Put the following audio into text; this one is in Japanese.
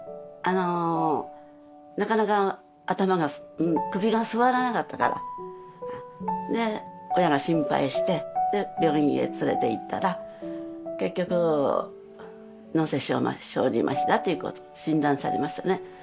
なかなか首がすわらなかったから親が心配して病院へ連れて行ったら結局脳性小児まひだと診断されましたね